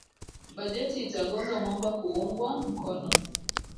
bajeti itagonga mwamba kuungwa mkono